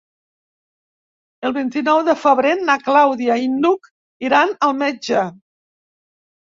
El vint-i-nou de febrer na Clàudia i n'Hug iran al metge.